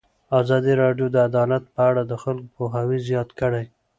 ازادي راډیو د عدالت په اړه د خلکو پوهاوی زیات کړی.